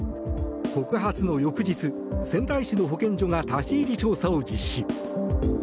告発の翌日、仙台市の保健所が立ち入り調査を実施。